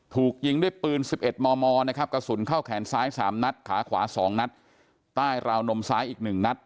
ถูกยิงด้วยปืน๑๑มมนะครับกระสุนเข้าแขนซ้าย๓นัดขาขวา๒นัดใต้ราวนมซ้ายอีก๑นัด